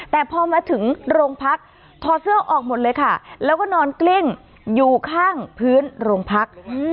แต่พอมาถึงโรงพักถอดเสื้อออกหมดเลยค่ะแล้วก็นอนกลิ้งอยู่ข้างพื้นโรงพัก